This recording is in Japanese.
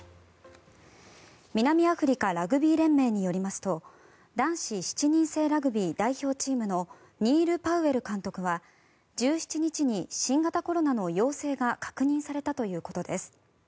南アフリカラグビー連盟によりますと男子７人制ラグビー代表チームのニール・パウエル監督は１７日に新型コロナの陽性が確認されたということです。